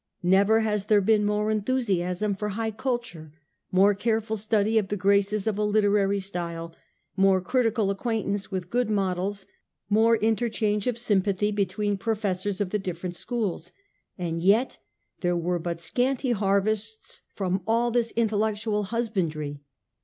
Never has there been more enthu efJhusiasm siasm for high culture, more careful study of for leamins, the graces of a literary style, more critical acquaintance with good models, more inter power, change of sympathy between professors of the different schools ; and yet there were but scanty harvests from all this intellectual husbandry.